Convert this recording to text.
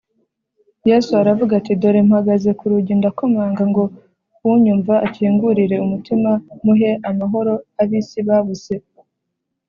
Yesu aravuga ati Dore mpagaze ku rugi ndakomanga ngo unyumva ankingurire umutima muhe amahoro abisi babuse .